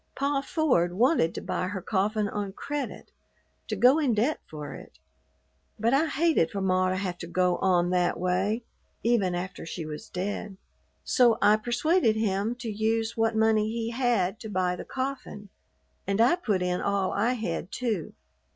"Pa Ford wanted to buy her coffin on credit, to go in debt for it, but I hated for ma to have to go on that way even after she was dead; so I persuaded him to use what money he had to buy the coffin, and I put in all I had, too.